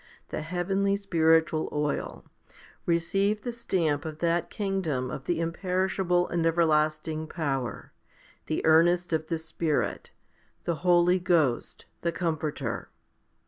the heavenly spiritual oil, receive the stamp of that kingdom of. the imperishable and everlasting power, the earnest of the Spirit* the Holy Ghost the Comforter.